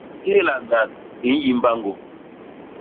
Téla nan i nyi mbañgô.